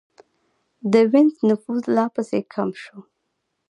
د وینز نفوس لا پسې کم شو